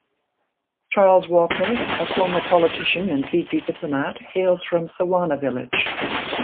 Charles Walker, a former politician and Fiji diplomat hails from Sawana village.